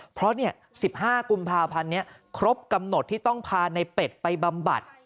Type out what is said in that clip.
เพราะเนี้ยสิบห้ากุมภาพันธ์เนี้ยครบกำหนดที่ต้องพาในเป็ดไปบำบัด